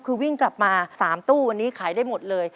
คือวิ่งกลับมา๓ตู้วันนี้ขายได้หมดเลย